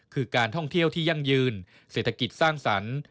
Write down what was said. คือการท่องเที่ยวที่ยั่งยืนเศรษฐกิจสร้างสรรค์